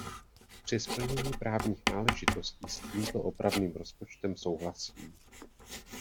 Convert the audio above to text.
Při splnění právních náležitostí s tímto opravným rozpočtem souhlasím.